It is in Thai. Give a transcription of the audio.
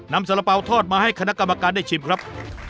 สาระเป๋าทอดมาให้คณะกรรมการได้ชิมครับ